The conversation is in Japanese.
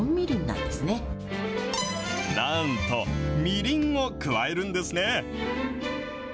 なんと、みりんを加えるんですね。